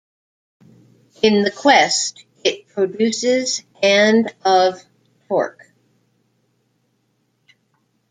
In the Quest, it produces and of torque.